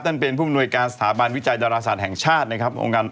เป็นผู้มนวยการสถาบันวิจัยดาราศาสตร์แห่งชาตินะครับ